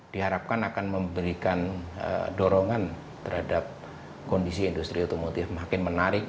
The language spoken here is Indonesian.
diharapkan akan memberikan dorongan terhadap kondisi industri otomotif makin menarik